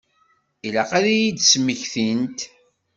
Ilaq ad iyi-d-smektint.